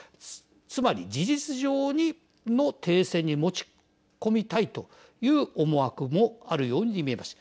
つまり、事実上の停戦に持ち込みたいという思惑もあるように見えます。